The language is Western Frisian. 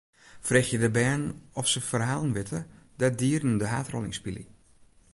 Freegje de bern oft se ferhalen witte dêr't dieren de haadrol yn spylje.